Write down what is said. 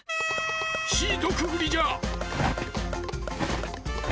シートくぐりじゃ！